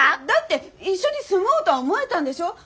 だって一緒に住もうとは思えたんでしょ？